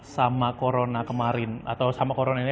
sama corona kemarin atau sama corona ini